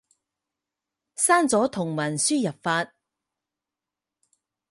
刪咗同文輸入法